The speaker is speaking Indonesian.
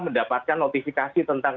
mendapatkan notifikasi tentang